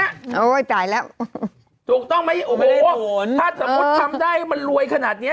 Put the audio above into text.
โอ้ยจ่ายแล้วถูกต้องไหมโอ้โหถ้าสมมุติทำได้มันรวยขนาดเนี้ย